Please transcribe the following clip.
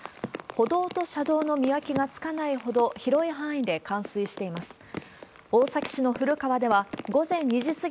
歩道と車道の見分けがつかないほど、広い範囲で冠水しています。